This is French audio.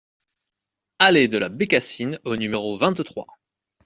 Allée de la Bécassine au numéro vingt-trois